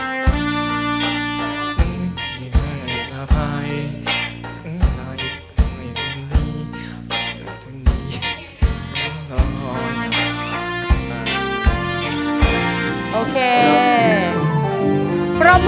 พร้อมเมื่อยกับน้องเกมส์นะครับ